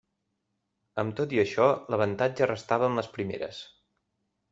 Amb tot i això, l'avantatge restava amb les primeres.